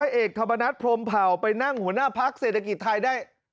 เอกธรรมนัฐพรมเผ่าไปนั่งหัวหน้าพักเศรษฐกิจไทยได้